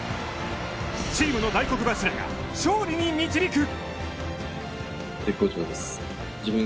チームの大黒柱が勝利に導く。